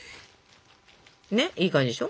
ねっいい感じでしょ？